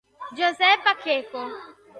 José Pacheco